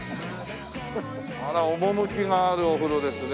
あら趣があるお風呂ですね。